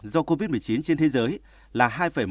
do covid một mươi chín trên thế giới là hai một